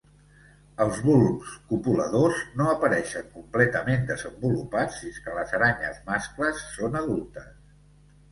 Els bulbs copuladors no apareixen completament desenvolupats fins que les aranyes mascles són adultes.